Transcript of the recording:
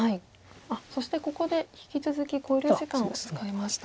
そしてここで引き続き考慮時間を使いました。